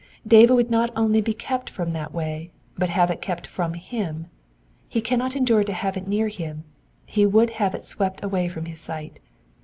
David would not only be kept from that way, but have it kept from him ; he cannot en dure to have it near him, he would have it swept away from his sight.